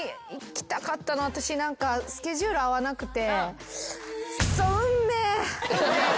スケジュール合わなくて。